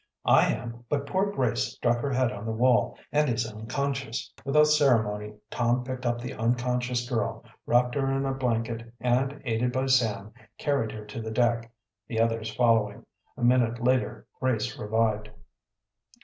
"I am, but poor Grace struck her head on the wall, and is unconscious." Without ceremony Tom picked up the unconscious girl, wrapped her in a blanket, and, aided by Sam, carried her to the deck, the others following. A minute later Grace revived.